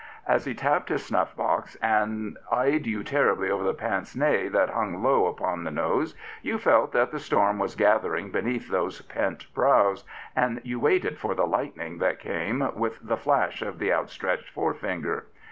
As he tapped his snuff box and eyed you terribly over the pince nez that hung low upon the nose, you felt that the stoTfft was gathering beneath those pent brows, and you waited for the lightning that came with the flash of the stretched forefinger.